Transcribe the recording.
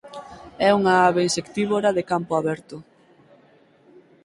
É unha ave insectívora de campo aberto.